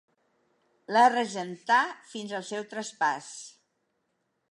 La regentà fins al seu traspàs.